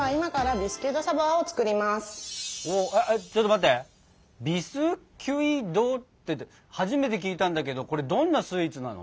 「ビスキュイ・ド」って初めて聞いたんだけどこれどんなスイーツなの？